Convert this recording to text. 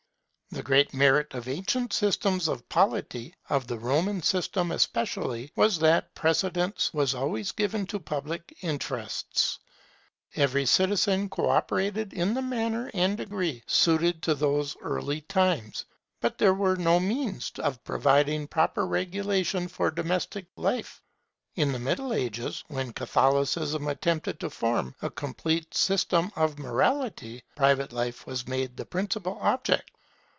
The great merit of ancient systems of polity, of the Roman system especially, was that precedence was always given to public interests. Every citizen co operated in the manner and degree suited to those early times. But there were no means of providing proper regulation for domestic life. In the Middle Ages, when Catholicism attempted to form a complete system of morality, private life was made the principal object.